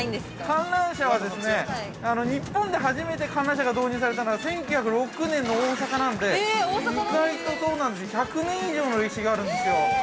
◆観覧車は、日本で初めて観覧車が導入されたのが１９０６年の大阪なんで１００年以上の歴史があるんですよ。